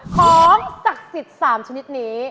ของศักดิ์สิทธิ์๓ชนิดนี้